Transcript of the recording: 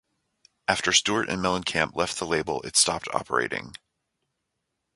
After Stewart and Mellencamp left the label, it stopped operating.